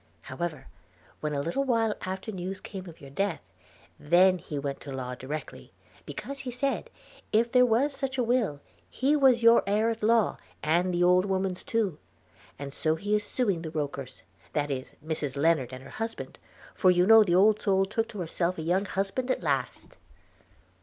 – However, when a little while after news came of your death, then he went to law directly; because, he said, if there was such a will, he was your heir at law, and the old woman's too: – and so he is suing the Rokers; that is, Mrs Lennard and her husband; for you know the old soul took to herself a young husband at last.'